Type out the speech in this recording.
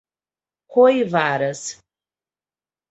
Coivaras